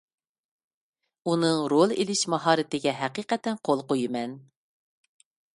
ئۇنىڭ رول ئېلىش ماھارىتىگە ھەقىقەتەن قول قويىمەن.